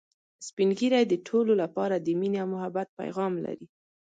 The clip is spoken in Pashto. سپین ږیری د ټولو لپاره د ميني او محبت پیغام لري